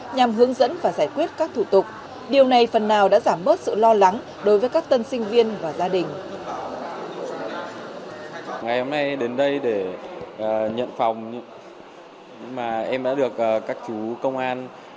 nhằm hướng dẫn các tân sinh viên đến khu nhà ở này